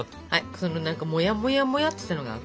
そのもやもやもやってしたのがあく。